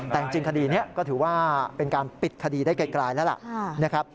แต่จริงคดีนี้ก็ถือว่าเป็นการปิดคดีได้ไกลแล้วล่ะนะครับ